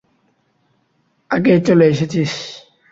আগেই চলে এসেছিস।